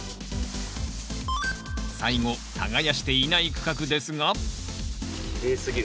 最後耕していない区画ですがきれいすぎる。